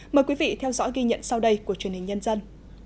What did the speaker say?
mời quý vị theo dõi ghi nhận sau đây của truyền hình nhân dân